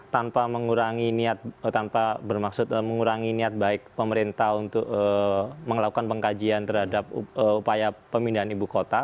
tanpa mengurangi niat baik pemerintah untuk melakukan pengkajian terhadap upaya pemindahan ibu kota